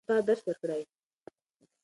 ماشومانو ته د خپلې خاورې د دفاع درس ورکړئ.